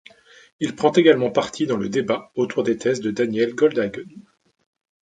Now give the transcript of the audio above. Il prend également parti dans le débat autour des thèses de Daniel Goldhagen.